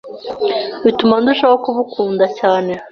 bituma ndushaho kubukunda.cyane